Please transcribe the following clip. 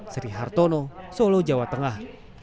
sri hartono solo jawa tengah